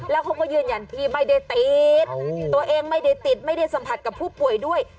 แล้วเขาก็ยืนยันที่ไม่ได้ติดตัวเองไม่ได้ติดไม่ได้สัมผัสกับผู้ป่วยด้วย